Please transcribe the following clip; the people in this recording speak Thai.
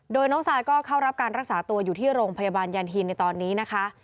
โดยน้องซายก็เข้ารับการรักษาตัวอยู่ที่โรงพยาบาลยันฮินในตอนนี้นะคะ